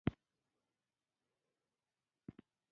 په افنټ غار کې د درې اتیا خلکو پاتې شوني موندل شول.